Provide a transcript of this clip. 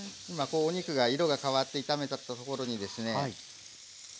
今こうお肉が色が変わって炒めたところにですね